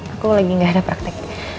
aku lagi gak ada praktek